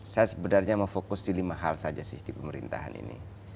saya sebenarnya mau fokus di lima hal saja sih di pemerintahan ini